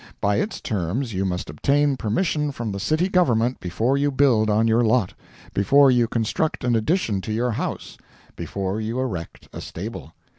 By its terms you must obtain permission from the city government before you build on your lot—before you construct an addition to your house—before you erect a stable.